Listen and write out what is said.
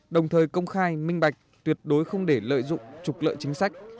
đồng thời công khai minh bạch tuyệt đối không để lợi dụng trục lợi chính sách